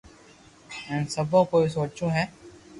ھين سبو ڪوئي سوچو ھي